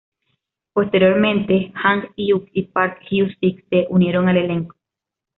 Posteriormente Jang Hyuk y Park Hyung-sik se unieron al elenco.